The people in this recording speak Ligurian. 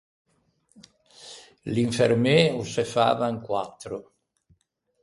L’infermê o se fava in quattro.